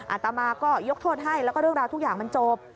อาตมาก็ยกโทษให้แล้วก็เรื่องราวทุกอย่างมันจบ